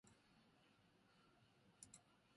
私はペットを飼っています。